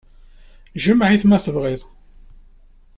Jmeɛ-it, ma tebɣid-t.